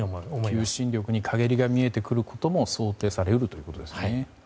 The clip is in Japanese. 求心力に陰りが見えてくることも想定され得るということですね。